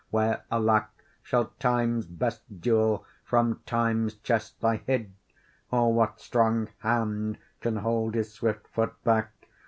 where, alack, Shall Time's best jewel from Time's chest lie hid? Or what strong hand can hold his swift foot back?